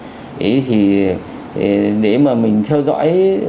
đấy thì để mà mình theo dõi